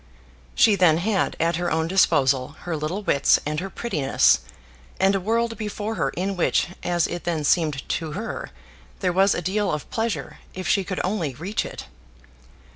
She then had at her own disposal her little wits and her prettiness, and a world before her in which, as it then seemed to her, there was a deal of pleasure if she could only reach it.